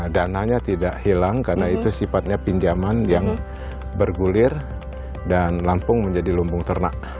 dananya tidak hilang karena itu sifatnya pinjaman yang bergulir dan lampung menjadi lumpung ternak